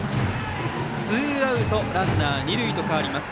ツーアウトランナー、二塁と変わります。